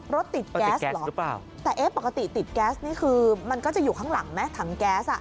รถติดแก๊สเหรอแต่เอ๊ะปกติติดแก๊สนี่คือมันก็จะอยู่ข้างหลังไหมถังแก๊ส